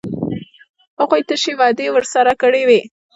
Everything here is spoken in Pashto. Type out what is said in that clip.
هغوی تشې وعدې ورسره کړې وې.